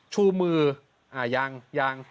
ชูมือยังยัง